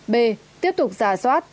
b tiếp tục giả soát